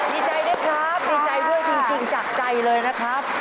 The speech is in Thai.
ดีใจด้วยครับดีใจด้วยจริงจากใจเลยนะครับ